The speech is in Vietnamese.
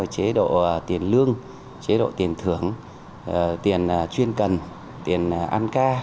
chế độ tiền lương chế độ tiền thưởng tiền chuyên cần tiền ăn ca